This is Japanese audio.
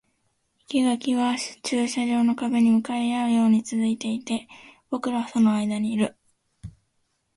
生垣は駐車場の壁に向かい合うように続いていて、僕らはその間にいる